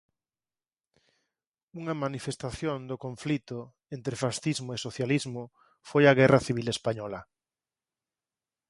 Unha manifestación do conflito entre fascismo e socialismo foi a guerra civil española.